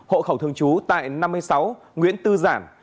hộ khẩu thường trú tại năm mươi sáu nguyễn tư giản